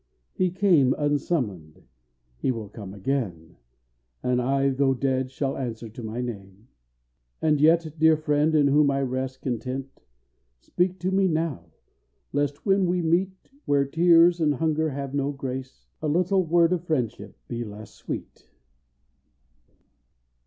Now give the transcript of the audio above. He came Unsummoned, he will come again; and I, Though dead, shall answer to my name. And yet, dear friend, in whom I rest content, Speak to me now lest when we meet Where tears and hunger have no grace, A little word of friendship be less sweet.